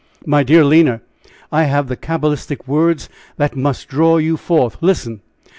"My dear Lina, I have the cabalistic words that must draw you forth listen!